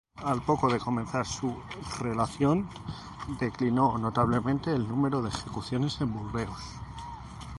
Al poco de comenzar su relación, declinó notablemente el número de ejecuciones en Burdeos.